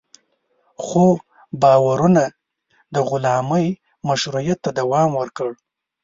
خو باورونه د غلامۍ مشروعیت ته دوام ورکړ.